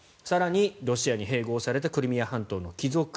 更に、ロシアに併合されたクリミア半島の帰属